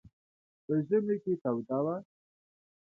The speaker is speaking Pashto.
په ژمي کې توده وه.